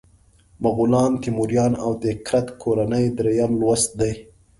مغولان، تیموریان او د کرت کورنۍ دریم لوست دی.